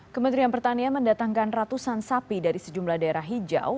kementerian pertanian mendatangkan ratusan sapi dari sejumlah daerah hijau